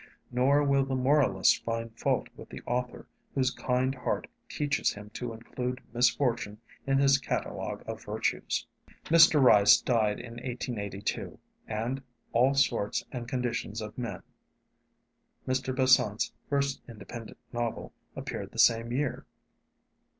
Nor will the moralist find fault with the author whose kind heart teaches him to include misfortune in his catalogue of virtues. Mr. Rice died in 1882, and 'All Sorts and Conditions of Men,' Mr. Besant's first independent novel, appeared the same year.